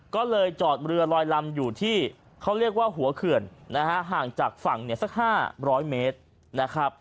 ก็เลยจอดเรือลอยลำอยู่ที่เขาเรียกว่าหัวเขื่อนห่างจากฝั่งสัก๕๐๐เมตร